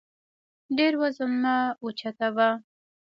ډېر وزن مه اوچتوه